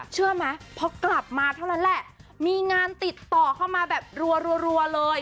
เชื่อไหมพอกลับมาเท่านั้นแหละมีงานติดต่อเข้ามาแบบรัวเลย